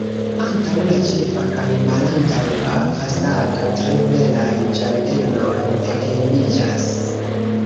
Antaŭ la ĉefa kaj malantaŭa fasado tre belaj ĝardenoj etendiĝas.